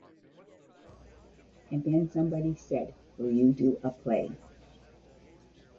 And then somebody said, 'Will you do a play?